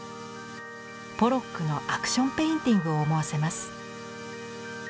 ポロックのアクション・ペインティングを思わせます。